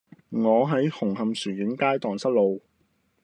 我喺紅磡船景街盪失路